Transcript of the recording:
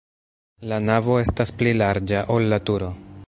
La navo estas pli larĝa, ol la turo.